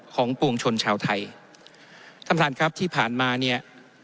ปวงชนชาวไทยท่านประธานครับที่ผ่านมาเนี่ย